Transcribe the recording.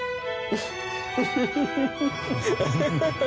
あフフフ。